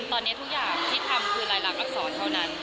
ตอนนี้ทุกอย่างที่ทำคือรายลักอักษรเท่านั้น